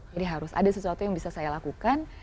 jadi harus ada sesuatu yang bisa saya lakukan